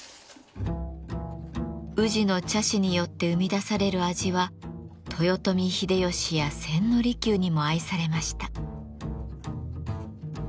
宇治の茶師によって生み出される味は豊臣秀吉や千利休にも愛されました。